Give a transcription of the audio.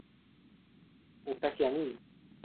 ওটা কি আমি?